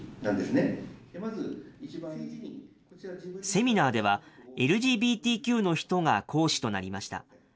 セミナーでは、ＬＧＢＴＱの人が講師となりました。